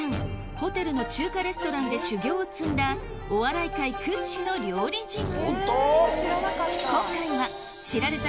ホテルの中華レストランで修業を積んだお笑い界屈指の料理自慢